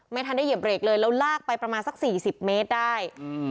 ไม่ทันได้เหยียบเรกเลยแล้วลากไปประมาณสัก๔๐เมตรได้